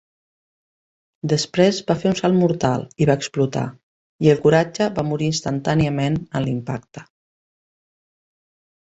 Després va fer un salt mortal i va explotar, i el coratge va morir instantàniament en l'impacte.